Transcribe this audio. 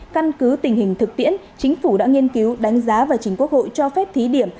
căn cứ tình hình thực tiễn chính phủ đã nghiên cứu đánh giá và chính quốc hội cho phép thí điểm